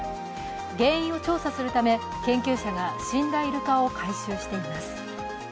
原因を調査するため、研究者が死んだイルカを回収しています。